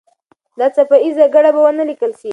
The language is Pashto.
دا څپه ایزه ګړه به ونه لیکل سي.